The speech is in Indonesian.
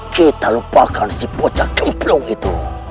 kita lupakan si pocah kembung itu